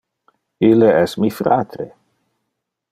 Ille es mi fratre.